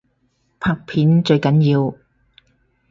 拍片最緊要